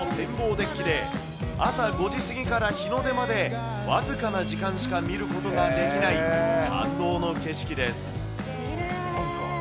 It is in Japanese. デッキで朝５時過ぎから日の出まで僅かな時間しか見ることができない感動の景色です。